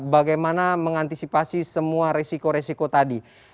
bagaimana mengantisipasi semua resiko resiko tadi